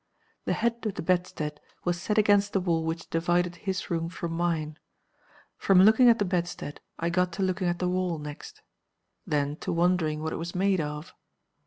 "The head of the bedstead was set against the wall which divided his room from mine. From looking at the bedstead I got to looking at the wall next. Then to wondering what it was made of.